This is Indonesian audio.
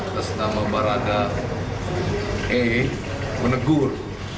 tersenama barada e menegur